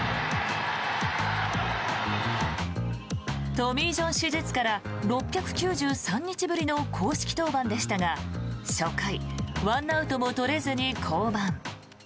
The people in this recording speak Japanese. トミー・ジョン手術から６９３日ぶりの公式登板でしたが初回、１アウトも取れずに降板。